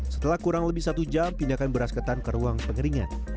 setelah kurang lebih satu jam pindahkan beras ketan ke ruang pengeringan